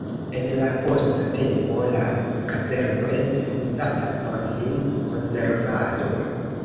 En la posta tempo la kaverno estis uzata por vin-konservado.